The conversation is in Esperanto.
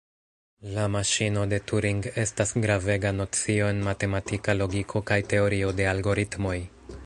La maŝino de Turing estas gravega nocio en matematika logiko kaj teorio de algoritmoj.